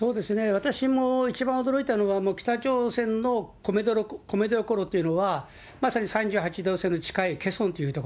私も一番驚いたのは、北朝鮮の米どころというのは、まさに３８度線に近いケソンという所。